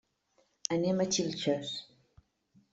Anem a Xilxes.